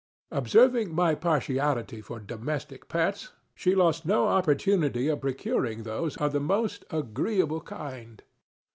Observing my partiality for domestic pets, she lost no opportunity of procuring those of the most agreeable kind.